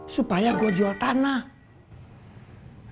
supaya gue jual tanah